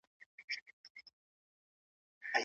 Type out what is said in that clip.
د غصې کنټرولول د قوي انسان صفت دی.